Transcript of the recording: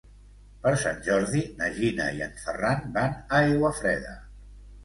Per Sant Jordi na Gina i en Ferran van a Aiguafreda.